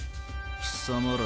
貴様ら